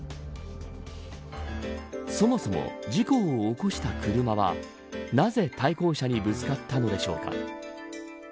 そもそも、事故を起こした車はなぜ対向車にぶつかったのでしょうか。